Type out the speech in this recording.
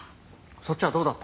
そっちはどうだった？